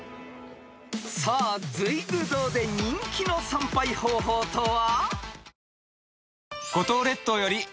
［さあ随求堂で人気の参拝方法とは？］